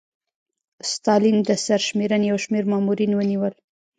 ستالین د سرشمېرنې یو شمېر مامورین ونیول